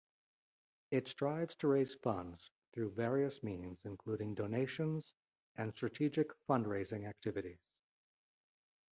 It strives to raise funds through various means including donations and strategic fund-raising activities.